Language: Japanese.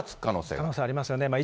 可能性ありますよね。